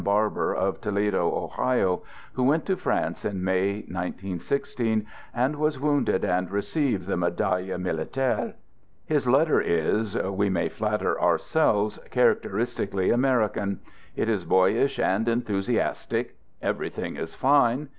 Barber, of Toledo, Ohio, who went to France in May, 19 1 6, and was wounded and received the Me daille Militaire. His letter is, we may flatter our selves, characteristically American. It is boyish and enthusiastic. Everything is fine.